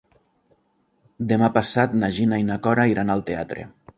Demà passat na Gina i na Cora iran al teatre.